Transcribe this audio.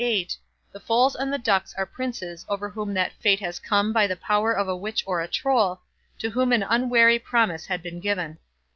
viii, the Foals and the Ducks are Princes over whom that fate has come by the power of a witch or a Troll, to whom an unwary promise had been given.